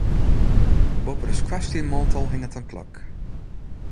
Boppe de skoarstienmantel hinget in klok.